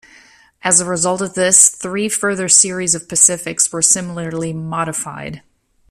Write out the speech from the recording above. As a result of this, three further series of Pacifics were similarly modified.